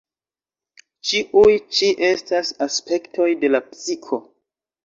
Ĉiuj ĉi estas aspektoj de la psiko.